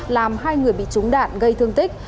làm hai người bị trúng đạn gây thương tích